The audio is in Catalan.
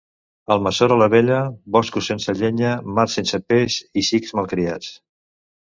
Almassora la Vella, boscos sense llenya, mar sense peix i xics malcriats.